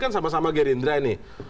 kan sama sama gerindra ini